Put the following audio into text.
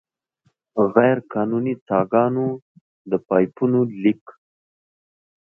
غیرقانوني څاګانو، د پایپونو لیک.